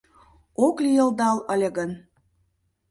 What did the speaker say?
Ок лийылдал ыле гын